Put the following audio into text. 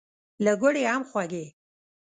له ګوړې هم خوږې.